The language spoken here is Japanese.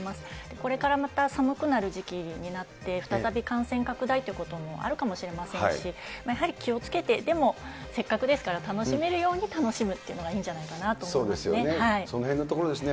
これからまた寒くなる時期になって、再び感染拡大ということもあるかもしれませんし、やはり気をつけてでも、せっかくですから楽しめるように楽しむっていうのがいいんじゃなそうですよね。